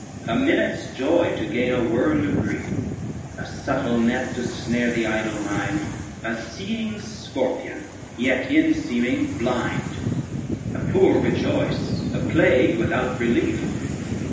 A minute's joy to gain a world of grief, A subtle net to snare the idle mind, A seeing scorpion, yet in seeming blind, A poor rejoice, a plague without relief.